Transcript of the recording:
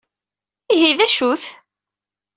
Ihi d acu-t?